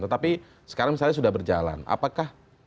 tetapi sekarang misalnya sudah berjalan apakah